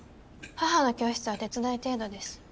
母の教室は手伝い程度です。